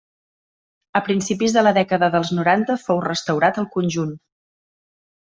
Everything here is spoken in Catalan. A principis de la dècada dels noranta fou restaurat el conjunt.